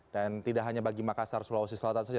dan tidak hanya bagi makassar sulawesi selatan saja